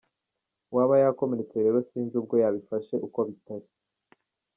Uwaba yakomeretse rero sinzi ubwo yabifashe uko bitari.